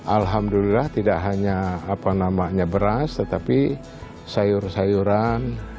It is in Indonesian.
alhamdulillah tidak hanya beras tetapi sayur sayuran